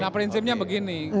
nah prinsipnya begini